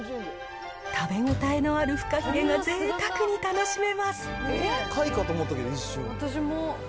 食べ応えのあるフカヒレがぜいたくに楽しめます。